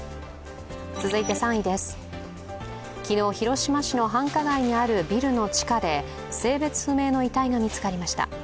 続いて３位です、昨日広島市の繁華街にあるビルの地下で性別不明の遺体が見つかりました。